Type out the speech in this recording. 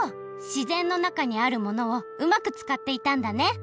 しぜんのなかにあるものをうまくつかっていたんだね